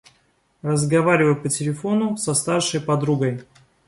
Разговариваю по телефону со старшей подругой.